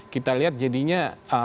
kita lihat jadinya